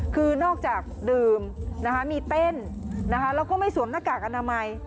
คือนอกจากดื่มมีเต้นแล้วก็ไม่สวมหน้ากากอนามัย